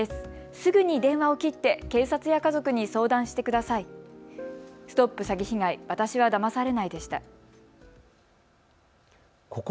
すぐに電話を切って警察や家族に相談してください。